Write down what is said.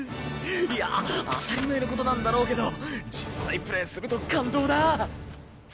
いや当たり前のことなんだろうけど実際プレイすると感動だ。